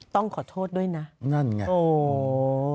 ต้องขอโทษด้วยนะโอ้โฮนั่นไง